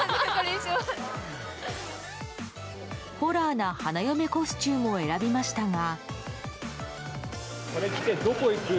ホラーな花嫁コスチュームを選びましたが。